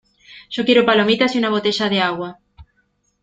¡Yo quiero palomitas y una botella de agua!